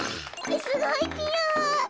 すごいぴよ！